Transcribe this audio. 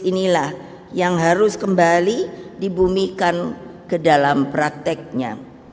inilah yang harus kembali dibumihkan ke dalam prakteknya dengan panduan ideologis